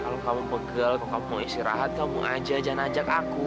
kalau kamu pegel ke kamu istirahat kamu aja jangan ajak aku